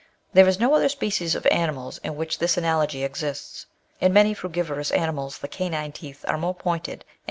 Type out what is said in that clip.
There is no other species of animals in which this analogy exists.* in many frugivorous animals, the canine teeth are more pointed and distinct * Cuvier, Legons d'Anat.